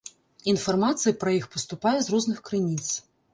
Інфармацыя пра іх паступае з розных крыніц.